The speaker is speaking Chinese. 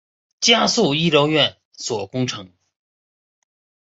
加速医疗院所工程